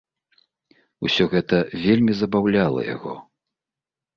Усё гэта вельмі забаўляла яго.